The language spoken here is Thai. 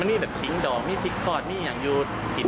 มันมีแบบขิงดอกมีพริกขอดมีอย่างอยู่